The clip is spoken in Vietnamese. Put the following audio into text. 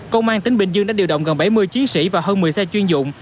công an tỉnh bình dương đã điều động gần bảy mươi chiến sĩ và hơn một mươi xe chuyên dụng